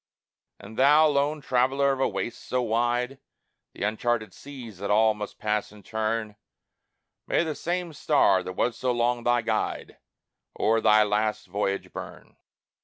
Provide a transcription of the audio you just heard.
And thou, lone traveller, of a waste so wide, The uncharted seas that all must pass in turn, May the same star that was so long thy guide O'er thy last voyage burn.